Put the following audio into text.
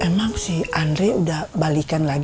emang si andri udah balikan lagi